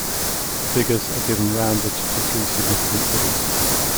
Figures are given rounded to three significant figures.